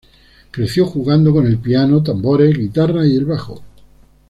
Creció jugando con el piano, tambores, guitarra, y el bajo.